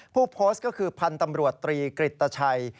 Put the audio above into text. ผู้โพสต์ก็คือพันธ์ตำรวจตรีกริตชัย